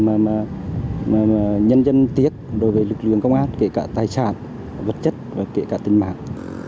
mà nhân dân tiếc đối với lực lượng công an kể cả tài sản vật chất và kể cả tình mạng